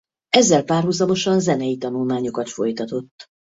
Ezzel párhuzamosan zenei tanulmányokat folytatott.